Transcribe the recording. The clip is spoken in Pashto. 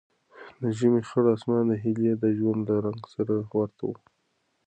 د ژمي خړ اسمان د هیلې د ژوند له رنګ سره ورته و.